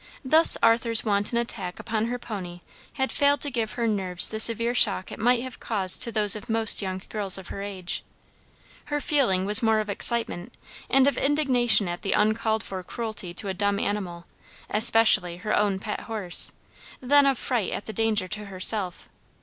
Thus Arthur's wanton attack upon her pony had failed to give her nerves the severe shock it might have caused to those of most young girls of her age. Her feeling was more of excitement, and of indignation at the uncalled for cruelty to a dumb animal, especially her own pet horse, than of fright at the danger to herself.